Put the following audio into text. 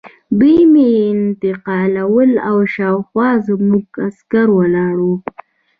دوی مې انتقالول او شاوخوا زموږ عسکر ولاړ وو